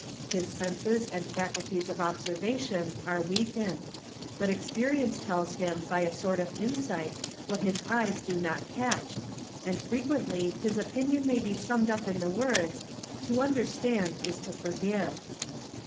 His senses and faculties of THE LYING WITNESS 97 " observation are weakened, but experience tells him by a sort of insight |_ what his eyes do not catch, and frequently his opinion may be summed _ up in the words, "'T'o understand, is to forgive."